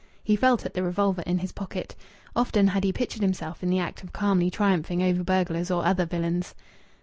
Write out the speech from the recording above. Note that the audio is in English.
He felt at the revolver in his pocket. Often had he pictured himself in the act of calmly triumphing over burglars or other villains.